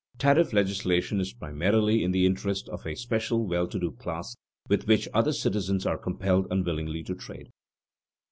Tariff legislation is primarily in the interest of a special well to do class, with which other citizens are compelled unwillingly to trade.